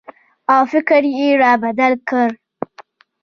او فکر یې را بدل کړ